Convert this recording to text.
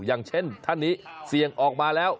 อย่างเช่นท่านนี้เสี่ยงออกมาแล้ว